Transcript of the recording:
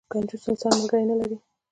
کنجوس انسان، ملګری نه لري.